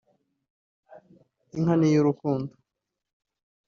‘Inka ni iy’urukundo’